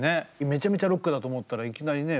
めちゃくちゃロックだと思ったらいきなりね。